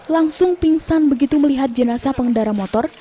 langsung pingsan begitu melihat jenazah pengendara motor